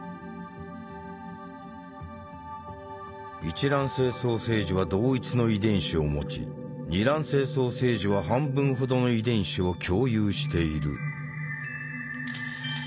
一卵性双生児は同一の遺伝子を持ち二卵性双生児は半分ほどの遺伝子を共有している。